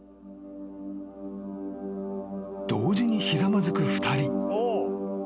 ［同時にひざまずく２人］